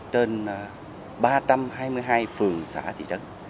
trên ba trăm hai mươi hai phường xã thị trấn